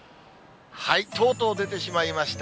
とうとう出てしまいました。